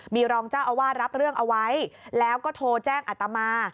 มีรองเจ้าอาวาสรับเรื่องเอาไว้แล้วก็โทรแจ้งอัตมา